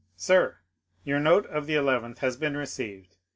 Sm, — Your note of the 11th has been received.